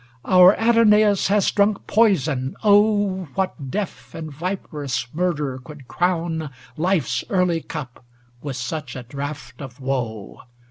su ADONAIS XXXVI Our Adonais has drunk poison ŌĆö oh, What deaf and viperous murderer could crown Life's early cup with such a draught of woe